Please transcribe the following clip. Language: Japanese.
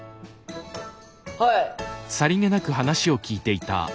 はい！